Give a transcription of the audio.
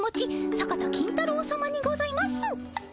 坂田金太郎さまにございます。